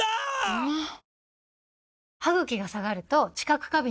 うまっ！！